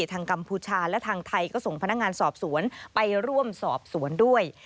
กัมพูชาและทางไทยก็ส่งพนักงานสอบสวนไปร่วมสอบสวนด้วย